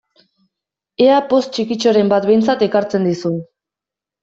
Ea poz txikitxoren bat behintzat ekartzen dizun!